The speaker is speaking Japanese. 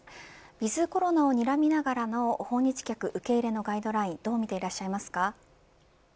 ウィズコロナをにらみながらの訪日受け入れのガイドラインどうみていますか。